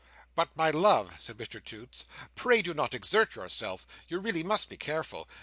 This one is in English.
"But, my love," said Mr Toots, "pray do not exert yourself. You really must be careful.